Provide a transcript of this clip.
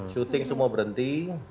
shooting semua berhenti